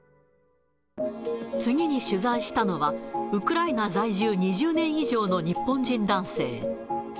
次に取材したのは、ウクライナ在住２０年以上の日本人男性。